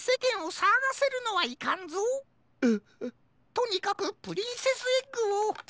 とにかくプリンセスエッグを。